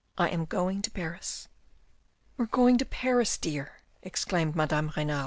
I am going to Paris." u You are going to Paris, dear," exclaimed Madame Renal.